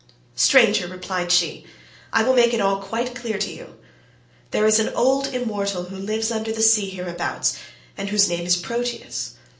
"'Stranger,' replied she, 'I will make it all quite clear to you. There is an old immortal who lives under the sea hereabouts and whose name is Proteus.